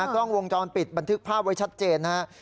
กล้องวงจรปิดบันทึกภาพไว้ชัดเจนนะครับ